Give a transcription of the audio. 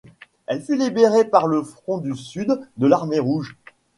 Elle fut libérée par le front du sud de l'Armée rouge.